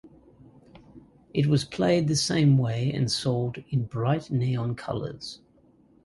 It was played the same way and sold in bright neon colours.